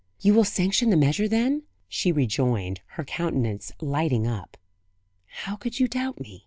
"You will sanction the measure then?" she rejoined, her countenance lighting up. "How could you doubt me?